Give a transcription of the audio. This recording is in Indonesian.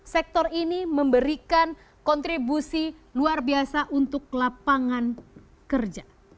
sektor ini memberikan kontribusi luar biasa untuk lapangan kerja